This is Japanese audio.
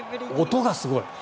音がすごい。